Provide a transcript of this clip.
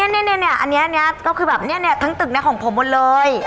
แบบนี้ก็คือทั้งตึกหนึ่งของผมหมดเลย